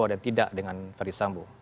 ada yang tidak dengan ferdisambo